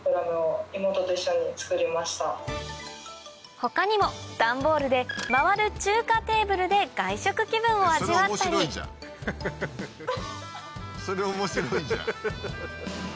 他にもダンボールで回る中華テーブルで外食気分を味わったりそれ面白いじゃん。